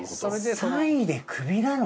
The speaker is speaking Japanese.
３位でクビなの？